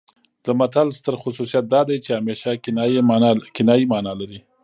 د متل ستر خصوصیت دا دی چې همیشه کنايي مانا لري